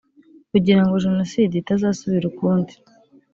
kugira ngo jenoside itazasubira ukundi